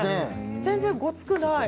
全然ごつくない。